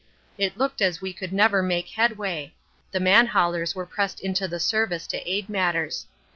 It looked as we could never make headway; the man haulers were pressed into the service to aid matters.